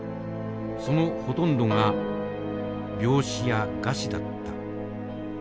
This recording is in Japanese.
そのほとんどが病死や餓死だった。